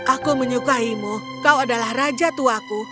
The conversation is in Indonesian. aku menyukaimu kau adalah raja tuaku